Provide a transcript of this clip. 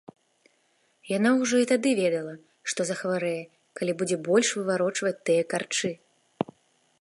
Яна ўжо і тады ведала, што захварэе, калі будзе больш выварочваць тыя карчы.